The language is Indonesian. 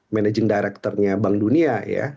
manajeng direktornya bank dunia ya